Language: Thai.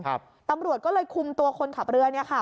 ตำรวจก็เลยคุมตัวคนขับเรือเนี่ยค่ะ